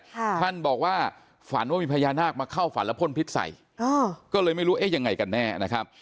ท่านบอกว่าฝันว่ามีพญานาคมาเข้าฝันแล้วพ่นพิษใส่อ่าก็เลยไม่รู้เอ๊ะยังไงกันแน่นะครับ